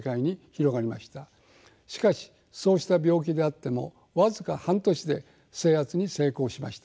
しかしそうした病気であっても僅か半年で制圧に成功しました。